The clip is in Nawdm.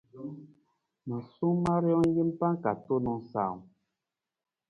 Ma sol ma rijang jampa ka tuunang sawung.